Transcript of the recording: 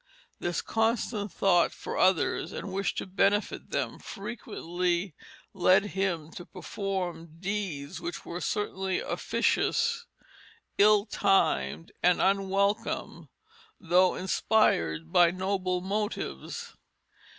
This constant thought for others and wish to benefit them frequently led him to perform deeds which were certainly officious, ill timed, and unwelcome, though inspired by noble motives.